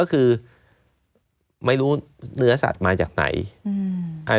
ใครยิงแล้วก็มาก็ทำอาหารกัน